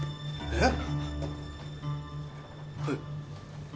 えっ！？